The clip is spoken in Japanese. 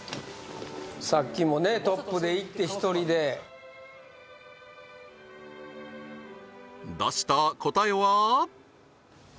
さっきもねトップで行って１人で出した答えは？